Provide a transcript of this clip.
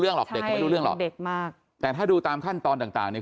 เรื่องรอไม่รู้เลือกหรอกแต่ถ้าดูตามขั้นตอนต่างเนี่ย